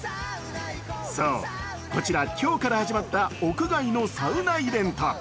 そう、こちら今日から始まった屋外のサウナイベント。